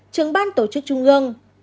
trưởng ban tổ chức trung ương